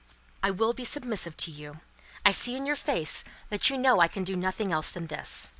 "I will be submissive to you. I see in your face that you know I can do nothing else than this.